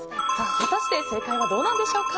果たして正解はどうなんでしょうか。